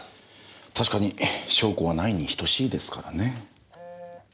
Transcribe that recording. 確かに証拠はないに等しいですからね。